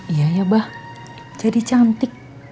iya ya bah jadi cantik